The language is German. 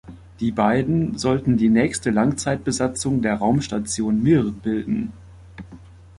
Die beiden sollten die nächste Langzeitbesatzung der Raumstation Mir bilden.